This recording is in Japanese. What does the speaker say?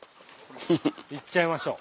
行っちゃいましょう。